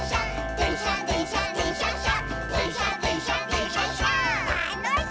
「でんしゃでんしゃでんしゃっしゃ」